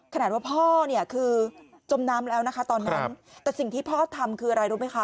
ขนาดว่าพ่อเนี่ยคือจมน้ำแล้วนะคะตอนนั้นแต่สิ่งที่พ่อทำคืออะไรรู้ไหมคะ